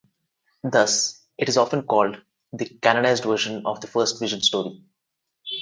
Thus, it is often called the "canonized version" of the First Vision story.